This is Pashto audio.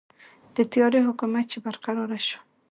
د تیارې حکومت چې برقراره شو.